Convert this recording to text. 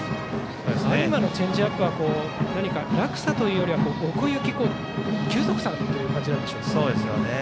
今のチェンジアップは落差というよりは奥行き、球速差という感じですか。